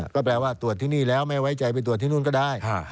ก็แปลว่าตรวจที่นี่แล้วไม่ไว้ใจไปตรวจที่นู่นก็ได้